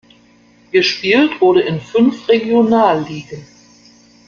Gespielt wurde in fünf Regionalligen.